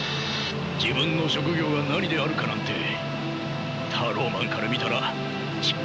自分の職業が何であるかなんてタローマンから見たらちっぽけなことなのかもしれないな。